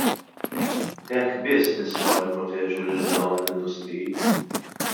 B'hekk biss nistgħu nipproteġu lil dawn l-industriji.